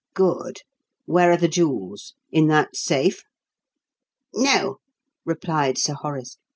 "Good. Where are the jewels? In that safe?" "No," replied Sir Horace.